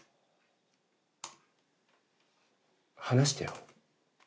話してよ。